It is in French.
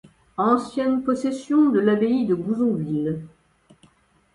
Ancienne possession de l'abbaye de Bouzonville.